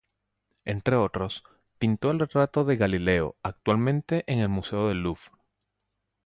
Entre otros, pintó el retrato de Galileo, actualmente en el Museo del Louvre.